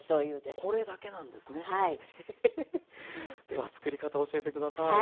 では作り方教えて下さい。